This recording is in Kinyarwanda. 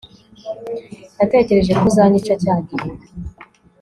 Natekereje ko uzanyica cyagihe